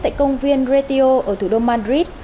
tại công viên retio ở thủ đô madrid